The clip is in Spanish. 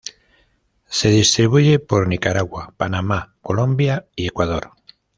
Se distribuye por Nicaragua, Panamá, Colombia y Ecuador.